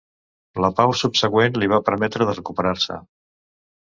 La pau subsegüent li va permetre de recuperar-se.